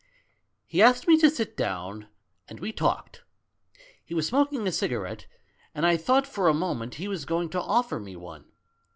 "He asked me to sit down, and we talked. He was smoking a cigarette, and I thought for a moment he was going to offer me one.